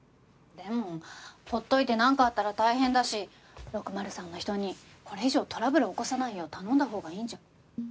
でも放っておいてなんかあったら大変だし６０３の人にこれ以上トラブル起こさないよう頼んだほうがいいんじゃ。